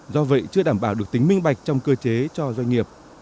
do vậy chưa đảm bảo được tính minh bạch trong cơ chế cho doanh nghiệp